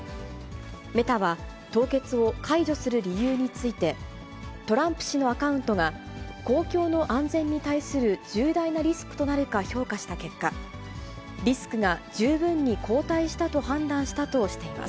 メタは、凍結を解除する理由について、トランプ氏のアカウントが公共の安全に対する重大なリスクとなるか評価した結果、リスクが十分に後退したと判断したとしています。